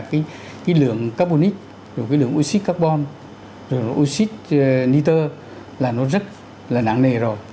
cái lượng carbonic cái lượng oxy carbon oxy nitro là nó rất là nặng nề rồi